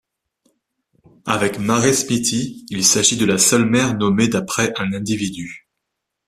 Avec Mare Smythii, il s'agit de la seule mer nommée d'après un individu.